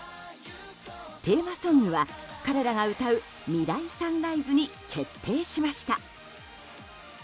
テーマソングは、彼らが歌う「未来ＳＵＮＲＩＳＥ」に決定しました。